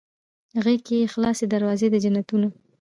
غیږ کې یې خلاصې دروازې د جنتونه